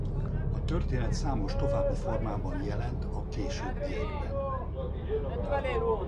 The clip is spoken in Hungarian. A történet számos további formában jelent a későbbiekben.